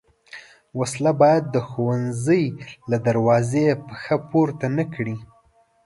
وسله باید د ښوونځي له دروازې پښه پورته نه کړي